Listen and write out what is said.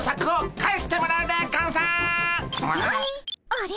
あれ？